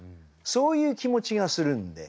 そういう気持ちがするんで。